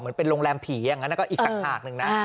เหมือนเป็นโรงแรมผีอย่างนั้นก็อีกตักหนึ่งนะ